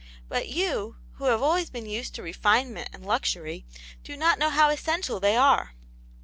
" But you, who have always been used to re finement and luxury, do not know how essential they are."